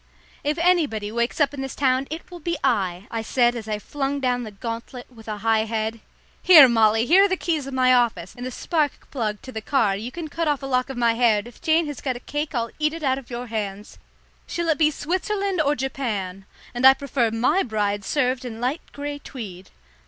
"If anybody wakes up this town it will be I," I said as I flung down the gauntlet with a high head. "Here, Molly, here are the keys of my office, and the spark plug to the car; you can cut off a lock of my hair, and if Jane has got a cake I'll eat it out of your hands. Shall it be Switzerland or Japan? And I prefer my bride served in light grey tweed."